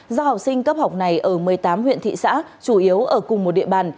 do học sinh cấp học này ở một mươi tám huyện thị xã chủ yếu ở cùng một địa bàn